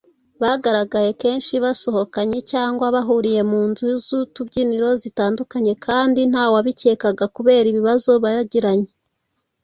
Bagaragaye kenshi basohokanye cyangwa bahuriye mu nzu z’utubyiniro zitandukanye kandi ntawabikekaga kubera ibibazo bagiranye